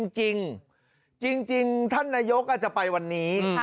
จริงจริงท่านนายกอาจจะไปวันนี้